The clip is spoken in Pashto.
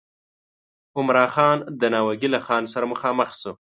عمرا خان د ناوګي له خان سره مخامخ شو.